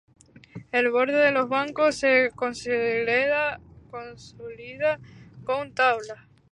El borde de los bancos se consolida con tablas.